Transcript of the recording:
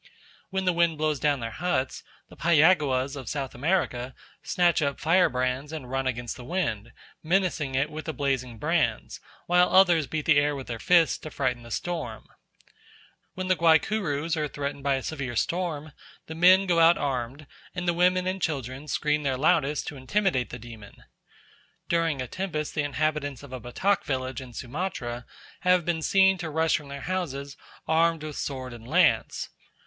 When the wind blows down their huts, the Payaguas of South America snatch up firebrands and run against the wind, menacing it with the blazing brands, while others beat the air with their fists to frighten the storm. When the Guaycurus are threatened by a severe storm, the men go out armed, and the women and children scream their loudest to intimidate the demon. During a tempest the inhabitants of a Batak village in Sumatra have been seen to rush from their houses armed with sword and lance.